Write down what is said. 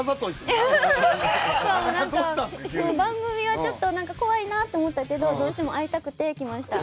番組はちょっとなんか怖いなと思ったけどどうしても会いたくて来ました。